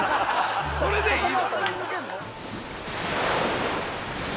それでいいの！？